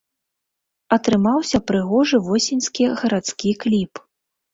Атрымаўся прыгожы восеньскі гарадскі кліп.